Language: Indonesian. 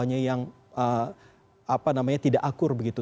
lihat orang tua yang apa namanya tidak akur begitu